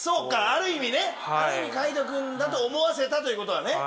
ある意味海人君だと思わせたということはね。